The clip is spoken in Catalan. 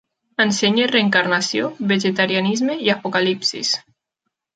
Ensenya reencarnació, vegetarianisme i apocalipsis.